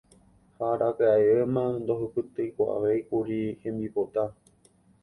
Ha araka'evéma ndohupytykuaavéikuri hembipota.